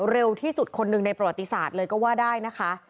เร็วที่สุดคนหนึ่งในประวัติศาสตร์เลยก็ว่าได้นะคะ